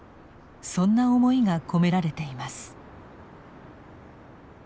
そんな思いが込められています。